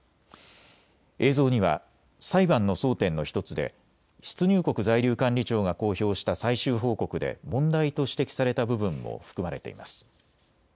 映像には裁判の争点の１つで出入国在留管理庁が公表した最終報告で問題と指摘された部分も含まれています。